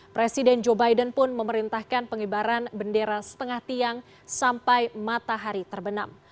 presiden joe biden pun memerintahkan pengibaran bendera setengah tiang sampai matahari terbenam